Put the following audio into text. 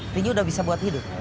tidak bisa buat hidup